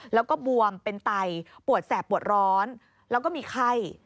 แล้วก็บวมเป็นไตปวดแสบปวดร้อนแล้วก็มีไข้